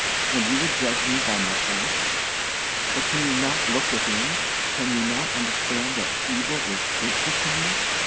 And you would judge me by my acts! But can you not look within? Can you not understand that evil is hateful to me?